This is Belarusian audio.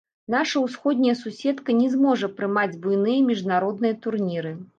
Наша ўсходняя суседка не зможа прымаць буйныя міжнародныя турніры.